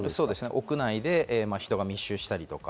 屋内で人が密集したりとか。